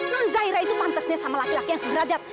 non zahira itu pantesnya sama laki laki yang segerajat